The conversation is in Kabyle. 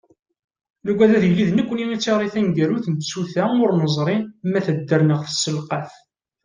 Nugad ad yili d nekkni i d tiɣri taneggarut n tsuta ur neẓri ma tedder neɣ tesselqaf.